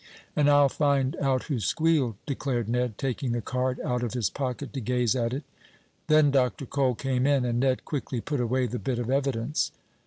"And I'll find out who squealed," declared Ned, taking the card out of his pocket to gaze at it. Then Dr. Cole came in, and Ned quickly put away the bit of evidence.